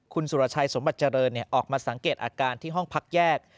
คุณสุรชัยสมบัติเจริญออกมาสังเกตอาการที่ห้องพักแยก